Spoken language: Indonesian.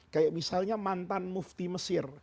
kayak misalnya mantan mufti mesir